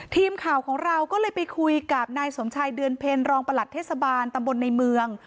ทีมข่าวของเราก็เลยไปคุยกับนายสมชายเดือนเพ็ญรองประหลัดเทศบาลตำบลในเมือง